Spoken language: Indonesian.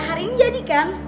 hari ini jadi kan